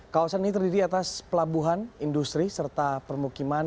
kawasan ini terdiri atas pelabuhan industri serta permukiman